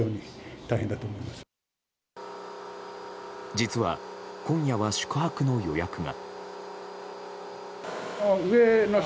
実は今夜は宿泊の予約が。